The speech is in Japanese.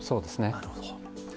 なるほど。